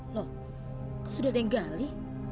loh sudah ada yang gali